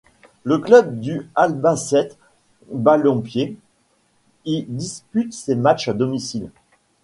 Le club du Albacete Balompié y dispute ses matchs à domicile.